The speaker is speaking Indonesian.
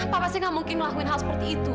pak saya tidak mungkin melakukan hal seperti itu